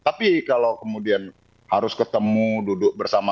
tapi kalau kemudian harus ketemu duduk bersama